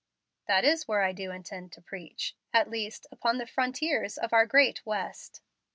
"That is where I do intend to preach. At least upon the frontiers of our great West."